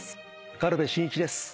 軽部真一です。